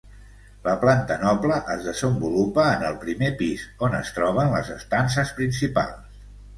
La planta noble es desenvolupa en el primer pis, on es troben les estances principals.